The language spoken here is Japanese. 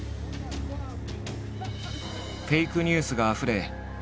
フェイクニュースがあふれ真実とう